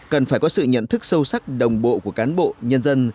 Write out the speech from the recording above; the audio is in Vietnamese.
cần phải có sự nhận thức sâu sắc đồng bộ của cán bộ nhân dân